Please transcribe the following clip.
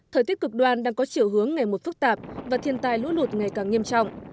thời tiết cực đoan đang có chiều hướng ngày một phức tạp và thiên tai lũ lụt ngày càng nghiêm trọng